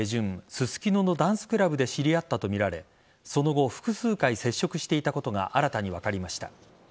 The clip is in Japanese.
ススキノのダンスクラブで知り合ったとみられその後複数回接触していたことが新たに分かりました。